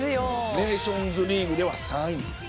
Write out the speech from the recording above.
ネーションズリーグでは３位。